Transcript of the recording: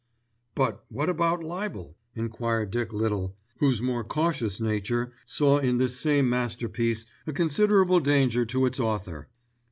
"But what about libel?" enquired Dick Little, whose more cautious nature saw in this same masterpiece a considerable danger to its author.